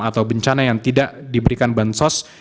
atau bencana yang tidak diberikan bansos